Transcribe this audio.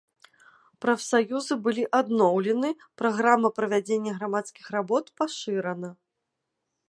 Прафсаюзы былі адноўлены, праграма правядзення грамадскіх работ пашырана.